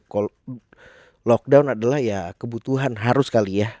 kalau lockdown adalah ya kebutuhan harus kali ya